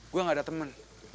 gue gak ada temen